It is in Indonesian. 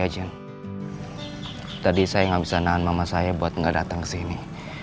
jadi saya gak bisa nahan mama saya buat gak datang kesini